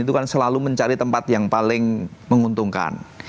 itu kan selalu mencari tempat yang paling menguntungkan